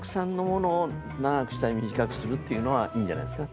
っていうのはいいんじゃないですか？